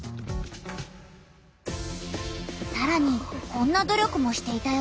さらにこんな努力もしていたよ。